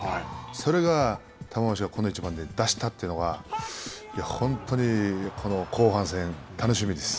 それが玉鷲がこの一番で出したというのが本当にこの後半戦、楽しみです。